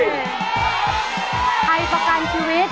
ไทยประกันชีวิต